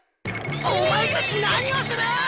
オマエたち何をする！